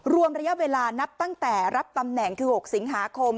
รวมระยะเวลานับตั้งแต่รับตำแหน่งคือ๖สิงหาคม